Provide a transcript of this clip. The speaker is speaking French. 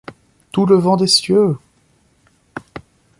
Tout le vent des cieux !